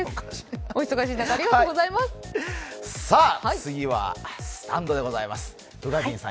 次はスタンドでございます、宇賀神さん